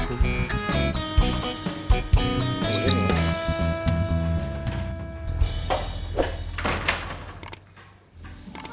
oh sebentar penting ini